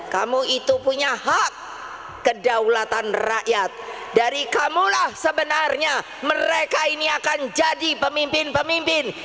kamu itu punya hak kedaulatan rakyat dari kamulah sebenarnya mereka ini akan jadi pemimpin pemimpin